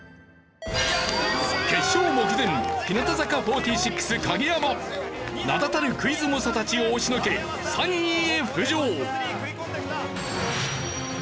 決勝目前日向坂４６影山名だたるクイズ猛者たちを押しのけ３位へ浮上！